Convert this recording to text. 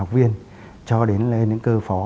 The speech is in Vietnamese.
cho đến lên những cơ phó